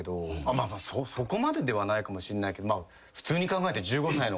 まあまあそこまでではないかもしんないけど普通に考えて１５歳の。